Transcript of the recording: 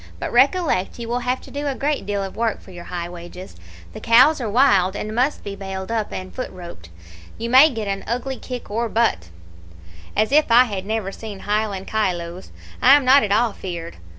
But recollect you will have to do a great deal of work for your high wages. The cows are wild, and must be bailed up and foot roped. You may get an ugly kick or butt' "'As if I had never seen Highland kyloes! I am not at all feared.